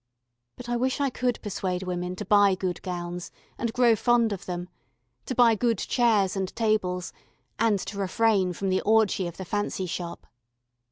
But I wish I could persuade women to buy good gowns and grow fond of them, to buy good chairs and tables, and to refrain from the orgy of the fancy shop.